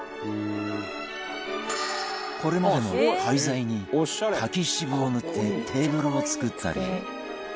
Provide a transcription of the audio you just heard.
これまでも廃材に柿渋を塗ってテーブルを作ったり